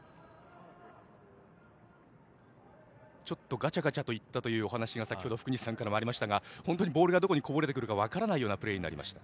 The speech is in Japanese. ガチャガチャといったというお話が先ほど、福西さんからありましたが本当にボールがどこにこぼれるか分からないプレーでした。